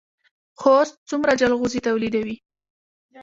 خوست څومره جلغوزي تولیدوي؟